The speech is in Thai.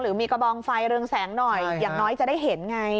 มีกระบองไฟเรืองแสงหน่อยอย่างน้อยจะได้เห็นไง